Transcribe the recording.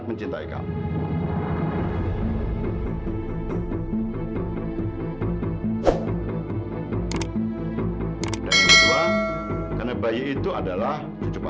kita ikhtiar terus dari juli